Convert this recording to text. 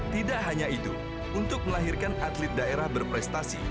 tidak hanya itu untuk melahirkan atlet daerah berprestasi